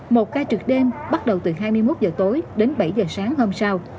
một ca trực đêm bắt đầu từ hai mươi một giờ tối đến bảy giờ sáng hôm sau